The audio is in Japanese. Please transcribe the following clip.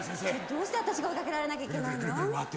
どうして私が追いかけられなきゃいけないの？